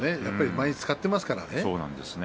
毎日使っていますからね。